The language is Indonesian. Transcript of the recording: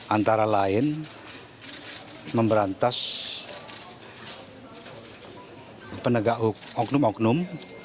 antara lain memberantas penegak oknum oknum